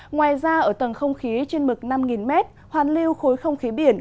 ngoài ra ở tầng không khí trên mực năm m hoàn lưu khối không khí biển